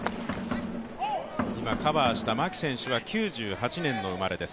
今カバーした牧選手は９８年の生まれです。